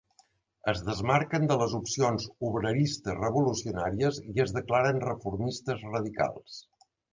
Es desmarquen de les opcions obreristes revolucionàries i es declaren reformistes radicals.